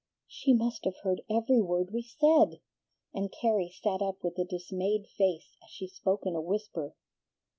"She must have heard every word we said!" and Carrie sat up with a dismayed face as she spoke in a whisper.